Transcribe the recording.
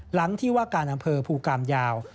หลังที่ว่าการอำเภอภูกรรมยาว